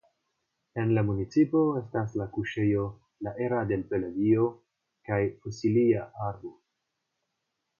En la municipo estas la kuŝejo "La era del Peladillo" kaj fosilia arbo.